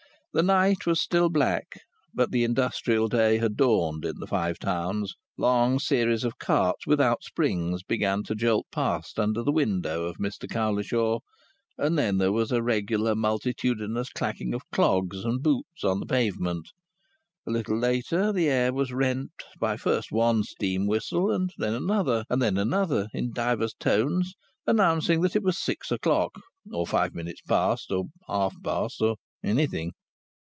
The night was still black, but the industrial day had dawned in the Five Towns. Long series of carts without springs began to jolt past under the window of Mr Cowlishaw, and then there was a regular multitudinous clacking of clogs and boots on the pavement. A little later the air was rent by first one steam whistle, and then another, and then another, in divers tones announcing that it was six o'clock, or five minutes past, or half past, or anything.